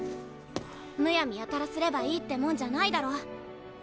むやみやたらすればいいってもんじゃないだろ。